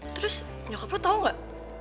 terus nyokap gue tau gak